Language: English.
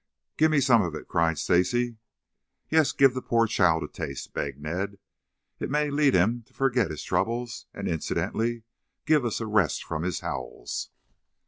"Give me some of it!" cried Stacy. "Yes, give the poor child a taste," begged Ned. "It may lead him to forget his troubles, and incidentally give us a rest from his howls."